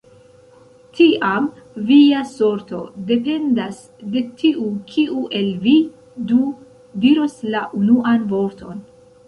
Tiam via sorto dependas de tiu, kiu el vi du diros la unuan vorton?